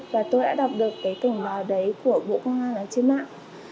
và tôi đã đọc được cái cổng bào đấy của bộ công an ở trên mạng